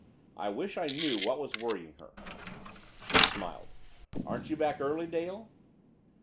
I wish I knew what was worrying her. She smiled. "Aren't you back early, Dale?"